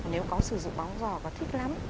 nếu có sử dụng móng giò và thích lắm